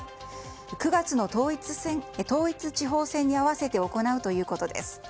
９月の統一地方選に合わせて行うということです。